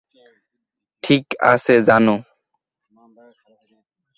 ঠিক আছে, জানু।